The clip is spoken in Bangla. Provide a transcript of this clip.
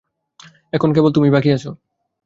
এখন কেবল তুমিই বাকি আছ।